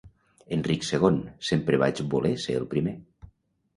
Enric Segon: sempre vaig voler ser el primer.